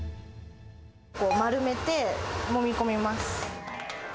丸めてもみこみます。